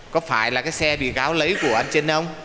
có phải là cái xe biện cáo lấy của anh trinh không